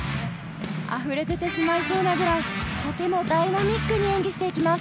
溢れ出てしまいそうなくらいダイナミックに演技していきます。